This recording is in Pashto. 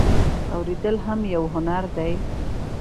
اوریدل هم یو هنر دی